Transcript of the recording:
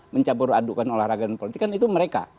mencabur adukan olahraga dan politik kan itu mereka